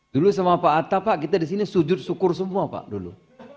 dulu sama pak atta pak kita di sini sujud syukur semua pak dulu